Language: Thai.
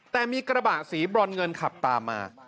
แต่มีกระบะสีบรอนเงินขับตามมา